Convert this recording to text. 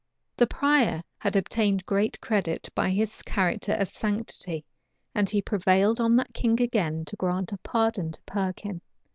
The prior had obtained great credit by his character of sanctity; and he prevailed on the king again to grant a pardon to Perkin.